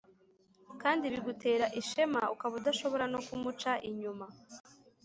kandi bigutera ishema, ukaba udashobora no kumuca inyuma.